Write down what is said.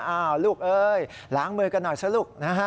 อ้าวลูกเอ้ยล้างมือกันหน่อยซะลูกนะฮะ